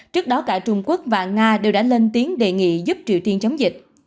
trước đó cả trung quốc và nga đều đã lên tiếng đề nghị giúp triều tiên chống dịch